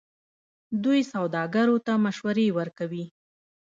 دوی سوداګرو ته مشورې ورکوي.